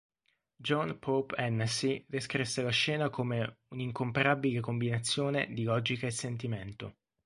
John Pope-Hennessy descrisse la scena come "un'incomparabile combinazione di logica e sentimento".